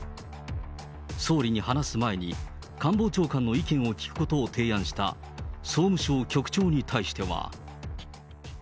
総理に話す前に官房長官の意見を聞くことを提案した総務省局長に対しては。